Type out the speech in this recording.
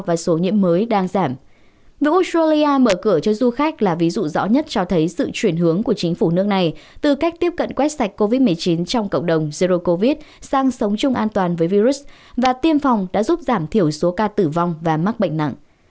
với australia mở cửa cho du khách là ví dụ rõ nhất cho thấy sự chuyển hướng của chính phủ nước này từ cách tiếp cận quét sạch covid một mươi chín trong cộng đồng zero covid sang sống chung an toàn với virus và tiêm phòng đã giúp giảm thiểu số ca tử vong và mắc bệnh nặng